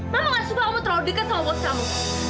kamu gak suka kamu terlalu dekat sama bos kamu